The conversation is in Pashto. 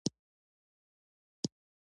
ونې د ژوند نښه ده.